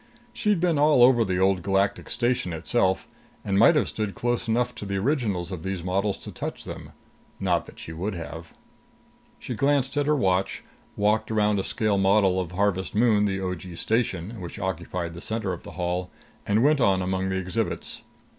She'd been all over the Old Galactic Station itself, and might have stood close enough to the originals of these models to touch them. Not that she would have. She glanced at her watch, walked around a scale model of Harvest Moon, the O.G. station, which occupied the center of the Hall, and went on among the exhibits.